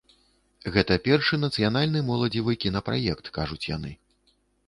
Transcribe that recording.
Гэта першы нацыянальны моладзевы кінапраект, кажуць яны.